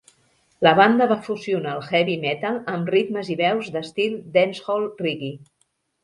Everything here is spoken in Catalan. La banda va fusionar el heavy metal amb ritmes i veus d'estil dancehall reggae.